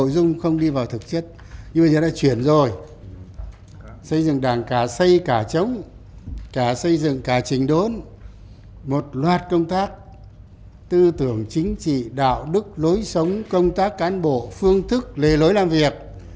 công tác xây dựng đảng là một loạt công tác tư tưởng chính trị đạo đức lối sống công tác cán bộ phương thức lề lối làm việc